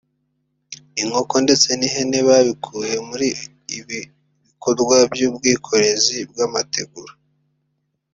inkoko ndetse n’ihene babikuye muri ibi bikorwa by’ubwikorezi bw’amategura